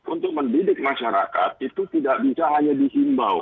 untuk mendidik masyarakat itu tidak bisa hanya dihimbau